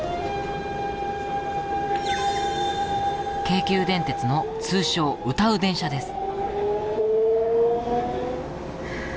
京急電鉄の通称歌う電車です。